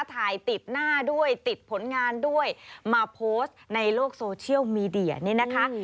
ถ่ายติดหน้าด้วยติดผลงานด้วยมาโพสต์ในโลกโซเชียลมีเดียนี่นะคะ